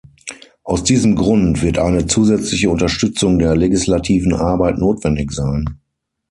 Aus diesem Grund wird eine zusätzliche Unterstützung der legislativen Arbeit notwendig sein.